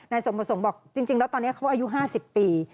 สมประสงค์บอกจริงแล้วตอนนี้เขาอายุ๕๐ปี